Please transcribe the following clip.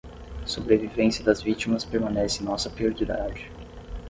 Sobrevivência das vítimas permanece nossa prioridade!